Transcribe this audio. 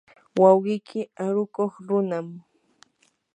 wawqiyki arukuq runam.